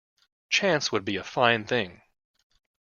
Chance would be a fine thing!